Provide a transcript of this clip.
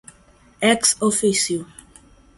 ex officio